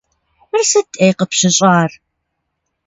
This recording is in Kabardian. Мыр сыт, ӏей, къыпщыщӏар?